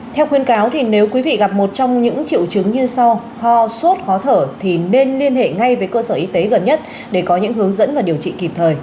theo khuyên cáo nếu quý vị gặp một trong những triệu chứng như sau ho sốt khó thở thì nên liên hệ ngay với cơ sở y tế gần nhất để có những hướng dẫn và điều trị kịp thời